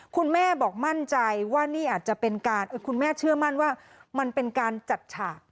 คุณแม่บอกมั่นใจว่านี่อาจจะเป็นการคุณแม่เชื่อมั่นว่ามันเป็นการจัดฉาก